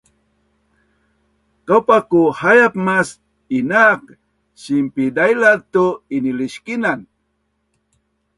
Kaupa ku haiap mas inaak sinpidailaz tu iniliskinan